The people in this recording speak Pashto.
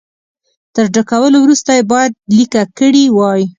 تر ډکولو وروسته یې باید لیکه کړي وای.